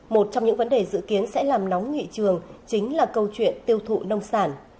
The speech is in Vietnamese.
một trong những vấn đề dự kiến sẽ làm nóng nghị trường chính là câu chuyện tiêu thụ nông sản